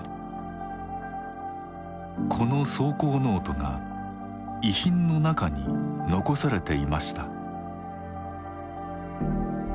この草稿ノートが遺品の中に残されていました。